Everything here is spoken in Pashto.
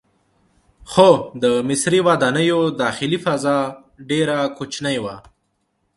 خو د مصري ودانیو داخلي فضا ډیره کوچنۍ وه.